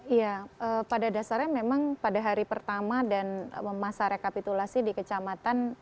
iya pada dasarnya memang pada hari pertama dan masa rekapitulasi di kecamatan